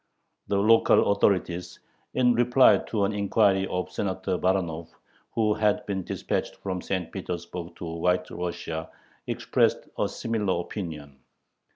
The local authorities, in reply to an inquiry of Senator Baranov, who had been dispatched from St. Petersburg to White Russia, expressed a similar opinion.